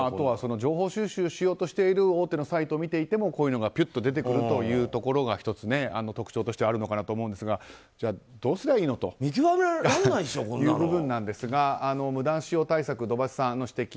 情報収集しようとして大手のウェブサイトを見ていてもこういうのが出てくるというのが１つ、特徴としてあるのかなと思いますがどうすればいいのかという部分ですが無断使用対策、土橋さんの指摘